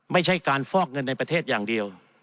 ไม่ใช่การฟอกเงินในประเทศอย่างเดียว